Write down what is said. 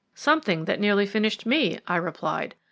"Something that nearly finished me," I replied.